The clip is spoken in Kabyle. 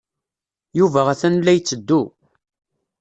Yuba atan la yetteddu.